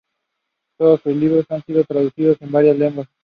Todos sus libros han sido traducidos en varias lenguas.